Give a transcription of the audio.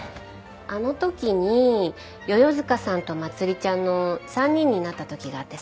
あの時に世々塚さんとまつりちゃんの３人になった時があってさ。